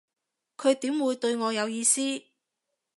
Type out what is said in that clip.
佢點會對我有意思